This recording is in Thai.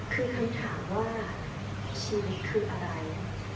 คือคำถามว่าชีวิตคืออะไร